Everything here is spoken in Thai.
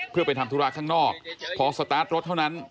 เพื่อไปทำธุระข้างนอกพอสตาร์ทรถเท่านั้น